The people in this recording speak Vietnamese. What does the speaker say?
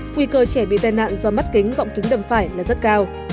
nguy cơ trẻ bị tai nạn do mắt kính vọng kính đầm phải là rất cao